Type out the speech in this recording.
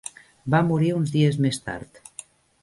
Va morir uns dies més tard.